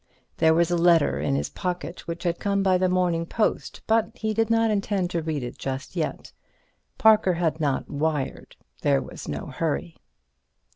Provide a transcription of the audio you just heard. There was a letter in his pocket which had come by the morning post, but he did not intend to read it just yet. Parker had not wired; there was no hurry.